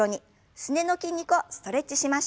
すねの筋肉をストレッチしましょう。